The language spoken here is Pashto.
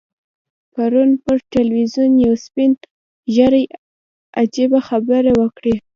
پرون پر ټلویزیون یو سپین ږیري عجیبه خبره وکړه.